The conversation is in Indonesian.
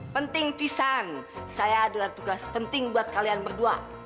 penting pisan saya adalah tugas penting buat kalian berdua